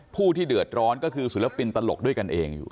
ผู้ที่เดือดร้อนก็คือศิลปินตลกด้วยกันเองอยู่